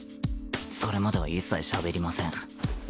それまでは一切しゃべりません